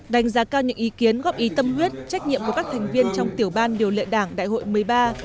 đánh giá cao những ý kiến góp ý tâm huyết trách nhiệm của các thành viên trong tiểu ban điều lệ đảng đại hội một mươi ba